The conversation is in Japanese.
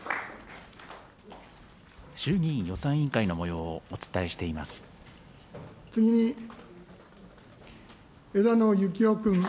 衆議院予算委員会のもようをお伝えしています。